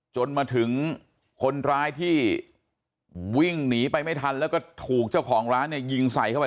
จนมาถึงคนร้ายที่วิ่งหนีไปไม่ทันแล้วก็ถูกเจ้าของร้านเนี่ยยิงใส่เข้าไป